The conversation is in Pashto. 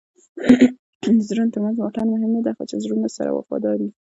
د زړونو ترمنځ واټن مهم نه دئ؛ خو چي زړونه سره وفادار يي.